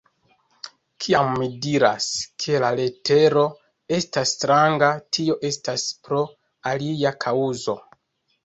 Kiam mi diras, ke la letero estas stranga, tio estas pro alia kaŭzo.